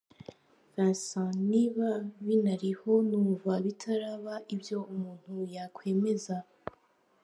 Vincent : Niba binariho numva bitaraba ibyo umuntu yakwemeza .